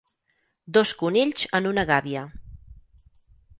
Dos conills en una gàbia.